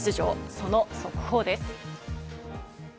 その速報です。